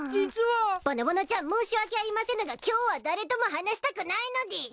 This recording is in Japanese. ぼのぼのちゃん申し訳ありませぬが今日は誰とも話したくないのでぃす。